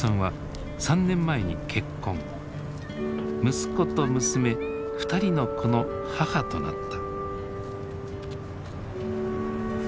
息子と娘２人の子の母となった。